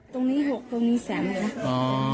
ตรงนี้หกตรงนี้แสมครับ